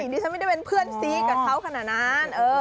ดิฉันไม่ได้เป็นเพื่อนซี้กับเขาขนาดนั้น